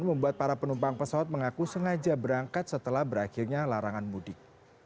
dan membuat para penumpang pesawat mengaku sengaja berangkat setelah berakhirnya larangan mudik